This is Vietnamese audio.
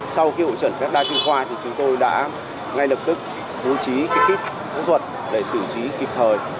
sau cái hỗ trợ phép đa chân khoa thì chúng tôi đã ngay lập tức hối trí cái kíp phẫu thuật để xử trí kịp thời